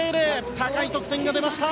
高い得点が出ました。